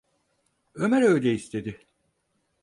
Ömer öyle istedi…